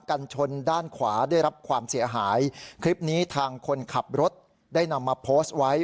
กันชนด้านขวาได้รับความเสียหายคลิปนี้ทางคนขับรถได้นำมาโพสต์ไว้